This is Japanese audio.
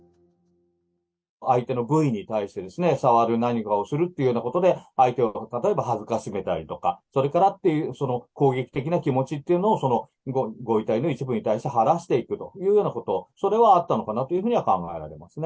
相手の部位に対して、触る、何かをするというようなことで、相手を例えばはずかしめたりとか、それから攻撃的な気持ちっていうのを、ご遺体の一部に対して晴らしていくというようなこと、それはあったのかなというふうには考えられますね。